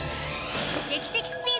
劇的スピード！